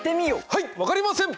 はい分かりません！